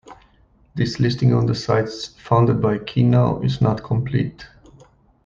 This listing of the sites founded by Kino is not complete.